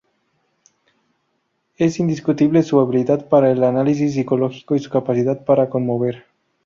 Es indiscutible su habilidad para el análisis psicológico y su capacidad para conmover.